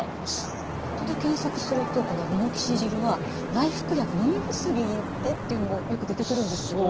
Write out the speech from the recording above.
ネットで検索するとこのミノキシジルは内服薬のみ薬でっていうのもよく出てくるんですけど。